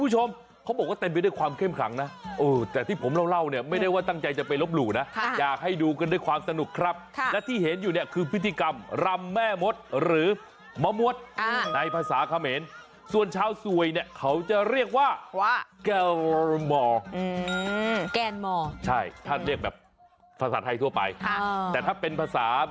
เชียร์มันเชียร์รักแต่เป็นการเชียร์ในพิธีกรรมศักดิ์สิทธิ์ครับ